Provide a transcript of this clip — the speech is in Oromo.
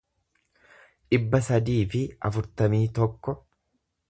dhibba sadii fi afurtamii tokko